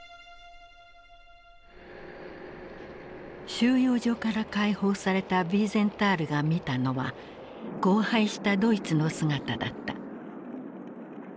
収容所から解放されたヴィーゼンタールが見たのは荒廃したドイツの姿だった。